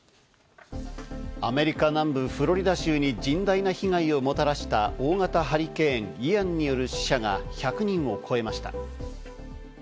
アメリカ南部フロリダ州に甚大な被害をもたらした大型ハリケーン・イアンによる死者が１００人を超えました。